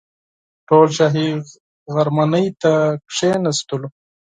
ټول شاهي غرمنۍ ته کښېنستلو.